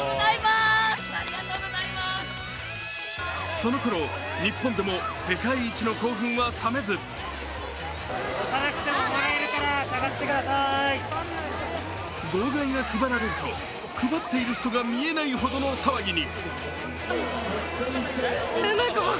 そのころ、日本でも世界一の興奮は冷めず号外が配られると配っている人が見えないほどの騒ぎに。